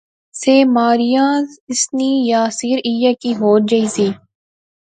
سے ماریاں اس نی یاثیر ایہہ کی ہور جئی سی